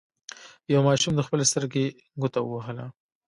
یوه ماشوم د خپلې سترګې ګوته ووهله.